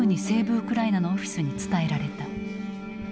・ウクライナのオフィスに伝えられた。